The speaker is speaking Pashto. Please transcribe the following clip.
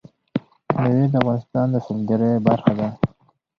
مېوې د افغانستان د سیلګرۍ برخه ده.